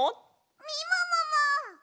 みももも！